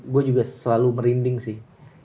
gue juga selalu merinding sih